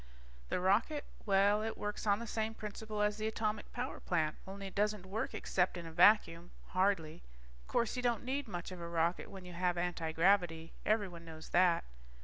The rocket? Well, it works on the same principle as the atomic power plant, only it doesn't work except in a vacuum, hardly. Course you don't need much of a rocket when you have antigravity. Everyone knows that.